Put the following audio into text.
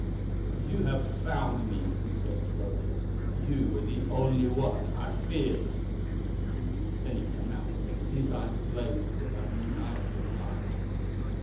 "You have found me," he said slowly; "you were the only one I feared." Then he came out with it, and his eyes blazed with a maniacal light.